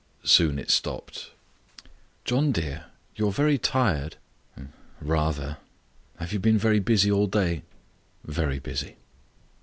Soon it stopped. "John dear, you are very tired?" "Rather." "Have you been very busy all day?" "Very busy."